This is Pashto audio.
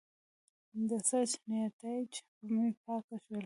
د سرچ نیتایج مې پاک شول.